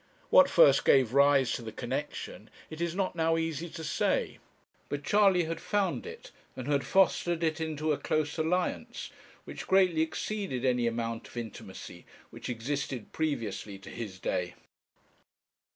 What first gave rise to the connexion it is not now easy to say; but Charley had found it, and had fostered it into a close alliance, which greatly exceeded any amount of intimacy which existed previously to his day.